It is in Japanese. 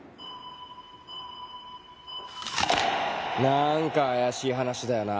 なんか怪しい話だよな。